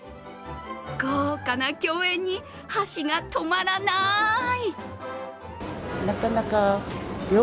豪華な共演に箸が止まらない。